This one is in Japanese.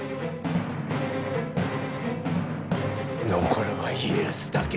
残るは家康だけ。